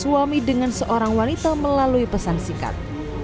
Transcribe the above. suami dengan seorang wanita melalui pesan singkat